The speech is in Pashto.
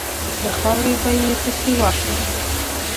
له خاورې به یې پسي واخلم.